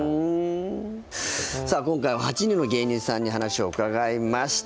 さあ今回は８人の芸人さんに話を伺いました。